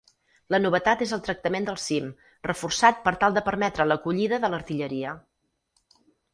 La novetat és el tractament del cim, reforçat per tal de permetre l'acollida de l'artilleria.